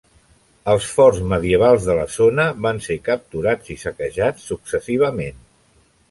Els forts medievals de la zona van ser capturats i saquejats successivament.